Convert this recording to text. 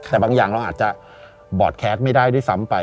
แต่บางอย่างเราอาจจะบอร์ดแคสไม่ได้ด้วยซ้ำไป